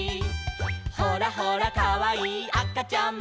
「ほらほらかわいいあかちゃんも」